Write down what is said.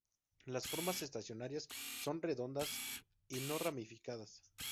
Las formas estacionarias son redondeadas y no ramificadas.